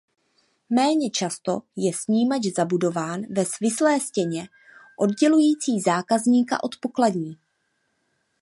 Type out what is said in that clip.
Méně často je snímač zabudován ve svislé stěně oddělující zákazníka od pokladní.